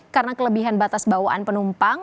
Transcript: karena kelebihan batas bawahan penumpang